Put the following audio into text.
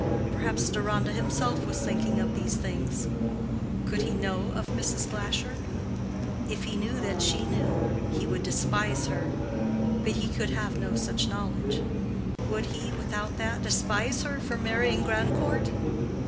Perhaps Deronda himself was thinking of these things. Could he know of Mrs. Glasher? If he knew that she knew, he would despise her; but he could have no such knowledge. Would he, without that, despise her for marrying Grandcourt?